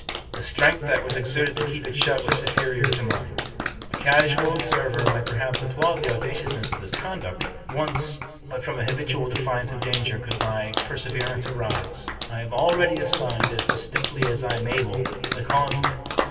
The strength that was exerted to keep it shut was superior to mine. A casual observer might, perhaps, applaud the audacious ness of this conduct. Whence, but from a habitual defiance of danger, could rny perseverance arise? I have already assigned, as distinctly as I am able, the cause of it.